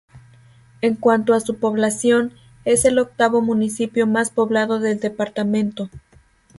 En cuanto a su población, es el octavo municipio más poblado del departamento.